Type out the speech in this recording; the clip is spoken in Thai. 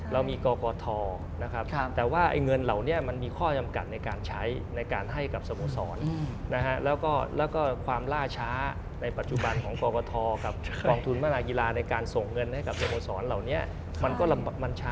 เรามีกอกอท่อนะครับ